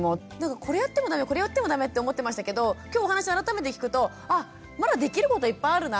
これやっても駄目これやっても駄目って思ってましたけど今日お話改めて聞くとあまだできることいっぱいあるなって。